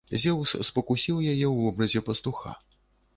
Зеўс спакусіў яе ў вобразе пастуха.